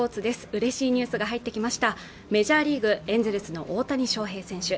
うれしいニュースが入ってきましたメジャーリーグエンゼルスの大谷翔平選手